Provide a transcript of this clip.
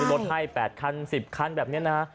รถให้๘คัน๑๐คันแบบนี้นะ